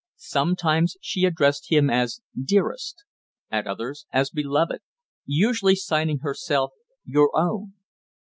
Sometimes she addressed him as "Dearest," at others as "Beloved," usually signing herself "Your Own."